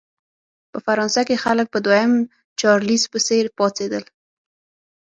په فرانسه کې خلک په دویم چارلېز پسې پاڅېدل.